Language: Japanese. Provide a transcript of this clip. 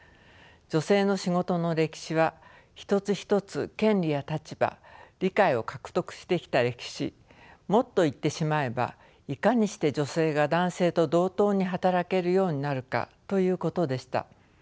女性の仕事の歴史は一つ一つ権利や立場理解を獲得してきた歴史もっと言ってしまえばいかにして女性が男性と同等に働けるようになるかということでした。